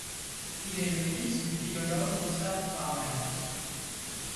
Il est le fils du philologue Gustav Kramer.